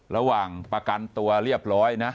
ระหว่างประกันตัวเรียบร้อยนะ